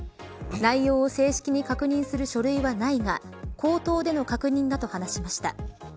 内容を正式に確認する書類はないが口頭での確認だと話しました。